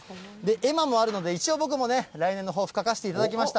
絵馬もあるので、一応、僕も来年の抱負、書かせていただきました。